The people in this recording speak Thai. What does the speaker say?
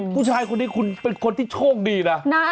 ผู้ชายคนนี้คุณเป็นคนที่โชคดีนะ